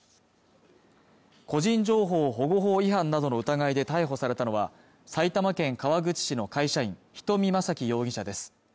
個人情報保護法違反などの疑いで逮捕されたのは埼玉県川口市の会社員人見正喜容疑者です